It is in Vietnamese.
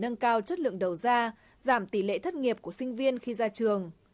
nâng cao chất lượng đầu ra giảm tỷ lệ thất nghiệp của sinh viên khi ra trường